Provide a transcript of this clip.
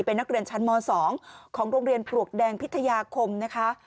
เป็นนักเรียนชั้นม๒ของโรงเรียนปลวกแดงพิทยาคมนะคะ